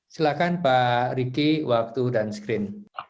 silahkan pak riki waktu dan screen